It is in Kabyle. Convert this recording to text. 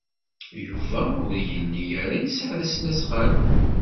Yuba ur yelli ara yesɛa tasnasɣalt.